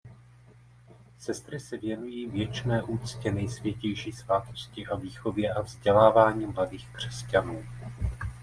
Sestry se věnují věčné úctě Nejsvětější svátosti a výchově a vzdělávání mladých křesťanů.